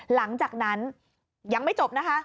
หลังจากนั้นยังไม่จบนะคะ